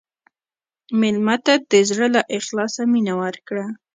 مېلمه ته د زړه له اخلاصه مینه ورکړه.